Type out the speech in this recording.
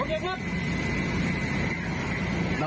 ครับ